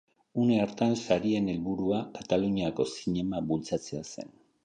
Une hartan sarien helburua Kataluniako zinema bultzatzea zen.